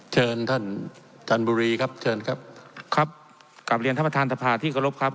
เชิญท่านจันบุรีครับเชิญครับครับกลับเรียนท่านประธานสภาที่เคารพครับ